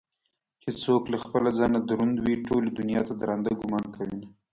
چې څوك له خپله ځانه دروند وي ټولې دنياته ددراندۀ ګومان كوينه